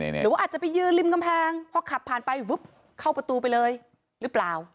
หรือว่าอาจจะไปยืนริมกำแพงพอขับผ่านไปวึบเข้าประตูไปเลยหรือเปล่า